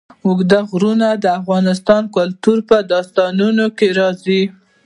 اوږده غرونه د افغان کلتور په داستانونو کې راځي.